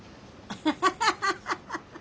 ハハハハハ！